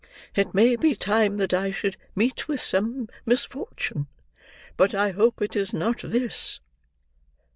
It may be time that I should meet with some misfortune; but I hope it is not this."